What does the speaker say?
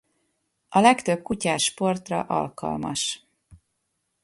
A legtöbb kutyás sportra alkalmas.